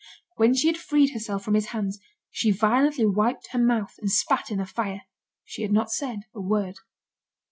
When she had freed herself from his hands, she violently wiped her mouth, and spat in the fire. She had not said a word.